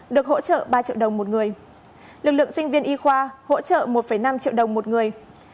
được hỗ trợ ba triệu đồng một người lực lượng sinh viên y khoa hỗ trợ một năm triệu đồng một người